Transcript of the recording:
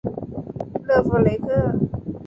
勒夫雷克。